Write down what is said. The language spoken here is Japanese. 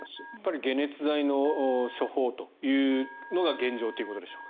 解熱剤の処方というのが現状ということでしょうか。